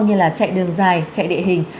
như chạy đường dài chạy địa hình